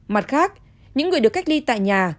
mặt khác những người được cách ly tại nhà